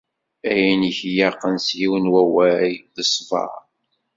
Ayen i k-ilaqen, s yiwen n wawal, d ṣṣber.